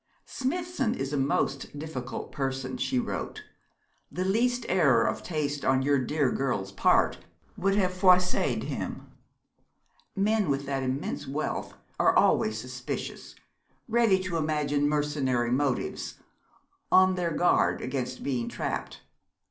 'Smithson is a most difficult person,' she wrote. 'The least error of taste on your dear girl's part would have froisséd him. Men with that immense wealth are always suspicious, ready to imagine mercenary motives, on their guard against being trapped.